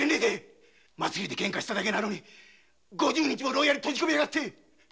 祭りで喧嘩しただけなのに五十日も牢屋に閉じこめやがって。